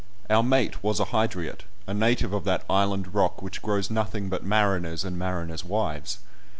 Our mate was a Hydriot, a native of that island rock which grows nothing but mariners and mariners' wives.